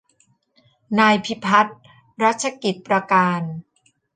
นายพิพัฒน์ รัชกิจประการ